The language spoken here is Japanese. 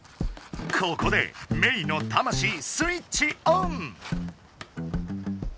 ここでメイの魂スイッチオン！